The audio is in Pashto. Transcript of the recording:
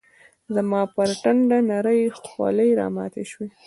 زما پر ټنډه نرۍ خولې راماتي شوې